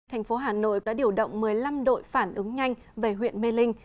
thành phố hà nội đã điều động một mươi năm đội phản ứng nhanh về huyện mê linh